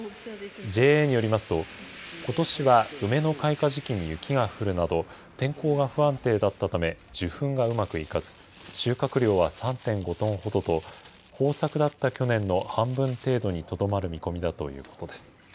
ＪＡによりますと、ことしは梅の開花時期に雪が降るなど、天候が不安定だったため、受粉がうまくいかず、収穫量は３．５トンほどと、豊作だった去年の半分程度にとどまる見込みだということです。